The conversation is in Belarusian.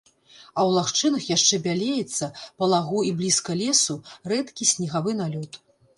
А ў лагчынах яшчэ бялеецца, па лагу і блізка лесу, рэдкі снегавы налёт.